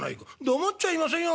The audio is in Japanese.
「黙っちゃいませんよ